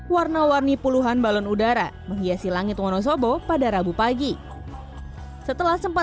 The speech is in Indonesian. warna warni puluhan balon udara menghiasi langit wonosobo pada rabu pagi setelah sempat